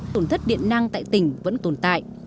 tổn thất điện năng tại tỉnh vẫn tồn tại